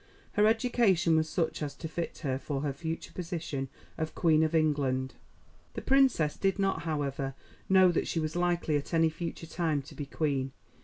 Her education was such as to fit her for her future position of Queen of England. The Princess did not, however, know that she was likely at any future time to be Queen.